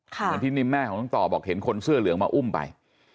เหมือนที่นิ่มแม่ของน้องต่อบอกเห็นคนเสื้อเหลืองมาอุ้มไป